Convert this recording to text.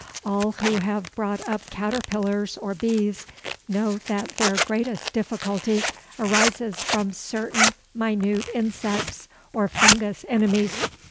All who have brought up caterpillars or bees know that their greatest difficulty arises from certain minute insects or fungus enemies.